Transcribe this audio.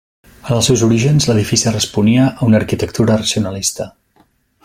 En els seus orígens l'edifici responia a una arquitectura racionalista.